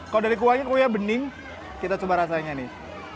kalau dari kuahnya kuahnya bening kita coba rasanya nih